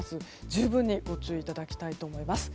十分にご注意いただきたいと思います。